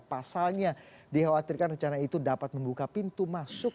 pasalnya dikhawatirkan rencana itu dapat membuka pintu masuk